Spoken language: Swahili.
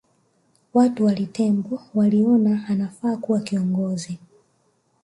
Watu wa Litembo waliona anafaa kuwa kiongozi